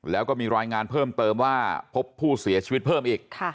แล้วก็มีรายงานเพิ่มเติมว่าพบผู้เสียชีวิตเพิ่มอีก